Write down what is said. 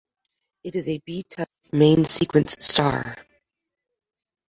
It is a B-type main-sequence star.